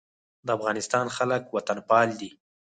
د افغانستان خلک وطنپال دي